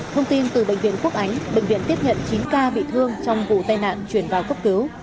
thông tin từ bệnh viện quốc ánh bệnh viện tiếp nhận chín ca bị thương trong vụ tai nạn chuyển vào cấp cứu